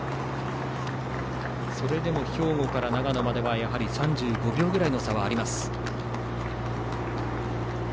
それでも兵庫から長野までは３５秒ぐらいの差はあります。